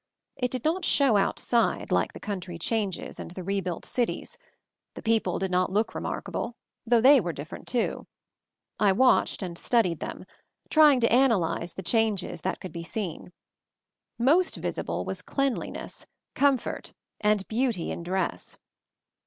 It did not show outside, like the country changes, and the rebuilt cities; the people did not look remarkable, though they* were different, too. I watched and studied them, trying to analyze the changes that could be seen. Most visible was cleanliness, comfort, and beauty in dress.